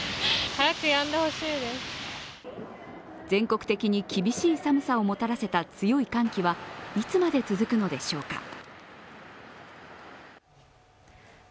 全国的に厳しい寒さをもたらせた強い寒気はいつまで続くのでしょうか。